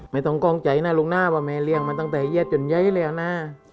ไม่ต้องกล้องใจนะลุงนะว่าแม่เลี้ยงมาตั้งแต่เยียดจนใยแล้วนะ